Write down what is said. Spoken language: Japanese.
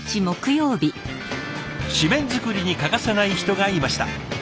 誌面作りに欠かせない人がいました。